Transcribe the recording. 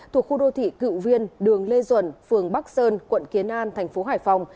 thuộc khu đô thị cựu viên đường lê duẩn phường bắc sơn quận kiến an thành phố hải phòng